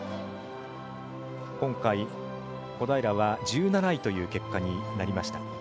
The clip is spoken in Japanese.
今回、小平は１７位という結果になりました。